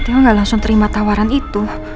dia nggak langsung terima tawaran itu